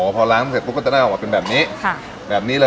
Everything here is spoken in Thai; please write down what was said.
พอล้างเสร็จก็ก็ได้ออกมาเป็นแบบนี้